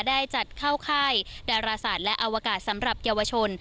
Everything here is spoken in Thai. ได้จัดเข้าค่ายดาราศาสตร์และอวกาศสำหรับเยาวชน